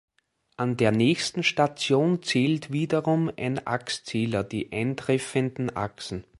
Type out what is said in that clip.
An der nächsten Station zählt wiederum ein Achszähler die eintreffenden Achsen.